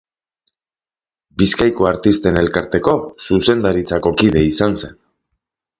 Bizkaiko Artisten Elkarteko zuzendaritzako kide izan zen.